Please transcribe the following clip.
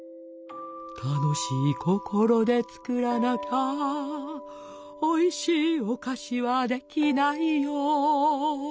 「楽しい心で作らなきゃおいしいお菓子はできないよ」